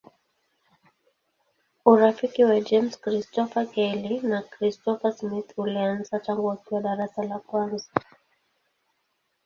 Urafiki wa James Christopher Kelly na Christopher Smith ulianza tangu wakiwa darasa la kwanza.